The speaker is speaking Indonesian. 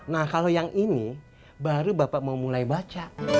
nah kalau yang ini baru bapak mau mulai baca